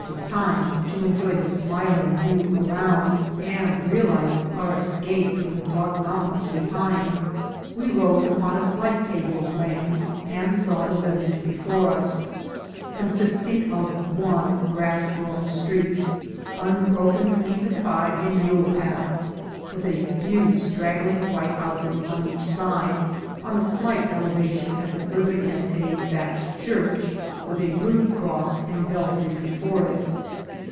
to time to enjoy the smiling view around, and realize our escape from the dark mountains behind, we rose upon a slight table of land and saw the village before us, consist ing of one grass grown street, unbroken even by a mule path, with a few straggling white houses on each side, on a slight elevation at the farther end a thatched church, with a rude cross and belfry before it.